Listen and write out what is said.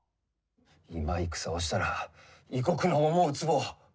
今、戦をしたら異国の思うつぼ。